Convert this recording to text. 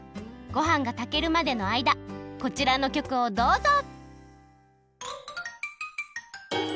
ごはんがたけるまでのあいだこちらのきょくをどうぞ！